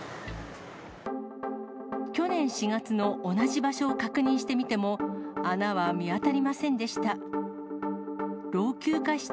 去年４月の同じ場所を確認してみても、穴は見当たりませんでした。